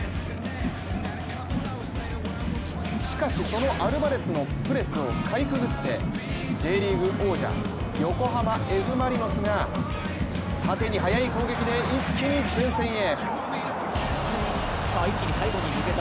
しかしそのアルバレスのプレスをかいくぐって、Ｊリーグ王者、横浜Ｆ・マリノスが縦に速い攻撃で、一気に前線へ。